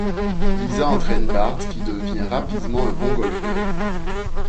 Lisa entraîne Bart qui devient rapidement un bon golfeur.